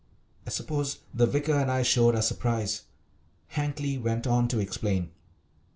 I suppose the vicar and I showed our surprise. Hankly went on to explain.